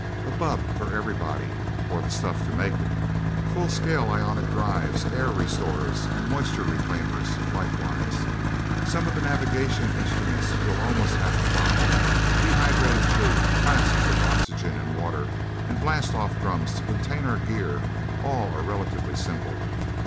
"A bubb for everybody or the stuff to make it. Full scale ionic drives, air restorers and moisture reclaimers, likewise. Some of the navigation instruments we'll almost have to buy. Dehydrated food, flasks of oxygen and water, and blastoff drums to contain our gear, are all relatively simple.